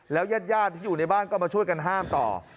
ยาดที่อยู่ในบ้านก็มาช่วยกันห้ามต่อ